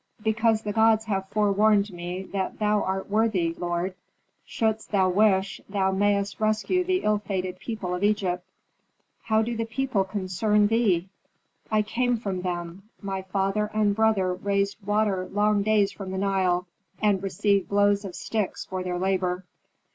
"Because the gods have forewarned me that thou art worthy, lord; shouldst thou wish, thou mayst rescue the ill fated people of Egypt." "How do the people concern thee?" "I came from them. My father and brother raised water long days from the Nile, and received blows of sticks for their labor."